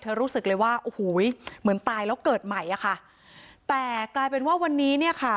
รู้สึกเลยว่าโอ้โหเหมือนตายแล้วเกิดใหม่อ่ะค่ะแต่กลายเป็นว่าวันนี้เนี่ยค่ะ